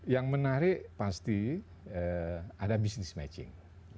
yang menarik pasti ada business matching